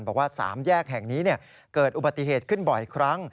บอกว่า๓แยกแห่งนี้เกิดอุบัติเหตุขึ้นบ่อยครั้ง